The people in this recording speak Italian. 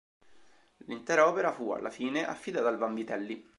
L'intera opera fu, alla fine, affidata al Vanvitelli.